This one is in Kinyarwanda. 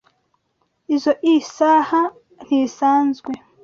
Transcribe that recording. Izoi saha ntisanzwe.